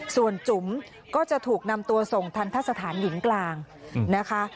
ส่วนจุ๋มก็จะถูกนำตัวส่งทันทะสถานหญิงกลางนะคะ